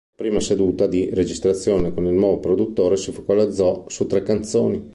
La prima seduta di registrazione con il nuovo produttore si focalizzò su tre canzoni.